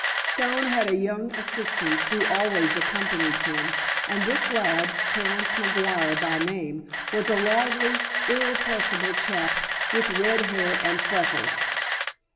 Stone had a young assistant who always accompanied him, and this lad, Terence McGuire by name, was a lively, irrepressible chap, with red hair and freckles.